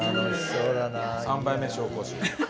３杯目紹興酒。